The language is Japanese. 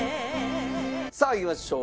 さあいきましょう。